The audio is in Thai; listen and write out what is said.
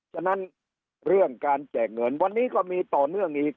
ฉะนั้นเรื่องการแจกเงินวันนี้ก็มีต่อเนื่องอีก